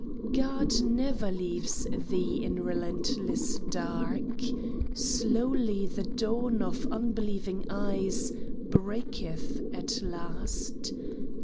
284 SURPRISES God never leaves thee in relentless dark. Slowly the dawn on unbelieving eyes Breaketh at last.